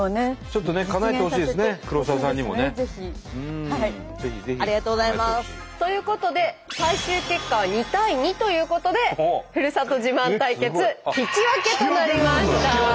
ちょっとねかなえてほしいですね黒沢さんにもね。ありがとうございます。ということで最終結果は２対２ということでふるさと自慢対決引き分けとなりました。